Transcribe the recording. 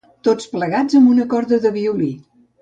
Tots plegats amb una corda de violí